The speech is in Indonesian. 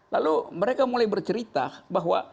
lalu mereka mulai bercerita bahwa